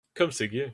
Comme c'est gai !